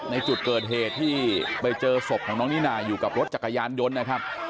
ในจุดเกิดเหตุที่ไปเจอศพของน้องนิน่าอยู่กับรถจักรยานยนต์นะครับ